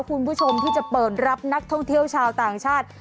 คุณผู้ชมที่จะเปิดรับนักท่องเที่ยวชาวต่างชาติ